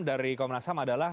dari komnas ham adalah